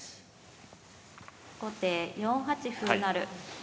後手４八歩成。